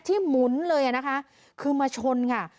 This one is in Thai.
หมุนเลยนะคะคือมาชนค่ะ